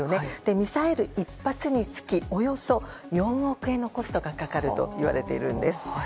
ミサイル１発につきおよそ４億円のコストがかかるといわれているんです。